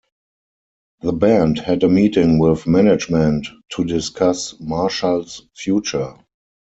The band had a meeting with management to discuss Marshall's future.